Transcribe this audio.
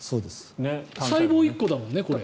細胞１個だもんね。